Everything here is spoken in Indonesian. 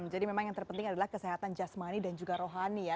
jadi memang yang terpenting adalah kesehatan jasmani dan juga rohani ya